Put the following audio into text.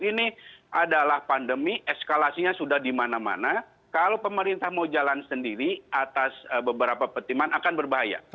ini adalah pandemi eskalasinya sudah dimana mana kalau pemerintah mau jalan sendiri atas beberapa petiman akan berbahaya